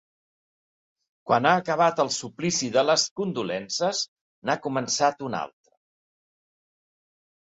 Quan ha acabat el suplici de les condolences n'ha començat un altre.